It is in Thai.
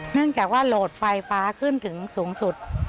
เนื่องจากว่าโหลดไฟฟ้าขึ้นถึงสูงสุด